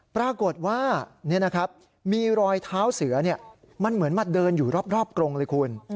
ปรากฏว่าเนี่ยนะครับมีรอยเท้าเสือเนี่ยมันเหมือนมาเดินอยู่รอบกรงเลยคุณ